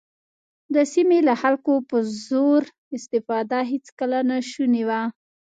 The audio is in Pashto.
د سیمې له خلکو په زور استفاده هېڅکله ناشونې وه.